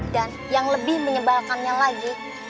dan yang lebih menyebalkannya lagi